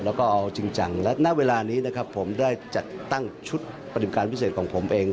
แล้วก็เอาจริงจังและณเวลานี้นะครับผมได้จัดตั้งชุดปฏิบัติการพิเศษของผมเอง